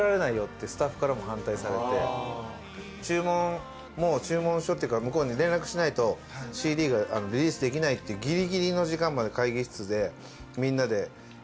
注文もう注文書っていうか向こうに連絡しないとＣＤがリリースできないってギリギリの時間まで会議室でみんなで話し合ってて。